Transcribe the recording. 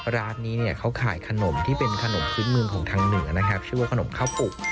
ร้านนี้เนี่ยเขาขายขนมที่เป็นขนมพื้นเมืองของทางเหนือนะครับชื่อว่าขนมข้าวปุก